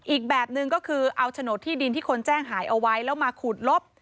อีกแบบหนึ่งก็คือเอาโฉนดที่ดินที่คนแจ้งหายเอาไว้แล้วมาขูดลบ